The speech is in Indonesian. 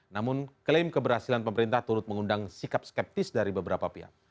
namun klaim keberhasilan pemerintah turut mengundang sikap skeptis dari beberapa pihak